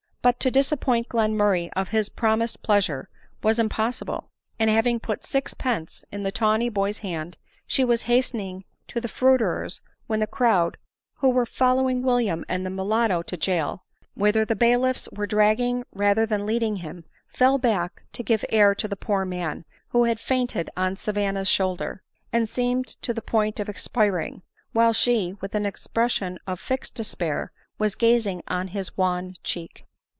But to disappoint Glenmurray of his promised pleasure was impossible; and having put sixpence in the tawny boy's hand, she was hastening to the fruiterer's, when the crowd, who were following William and the mulatto to jail, whither the bailiffs were dragging rather than leading him, fell back to give air to the poor man, who had fainted on Savanna's shoulder, and seemed on the point of expiring — while she, with an expression of fixed despair, was gazing on his wan cheek.